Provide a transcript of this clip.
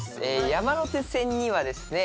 山手線にはですね